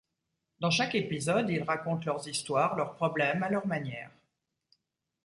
Dans chaque épisode ils racontent leurs histoires, leurs problèmes à leur manière.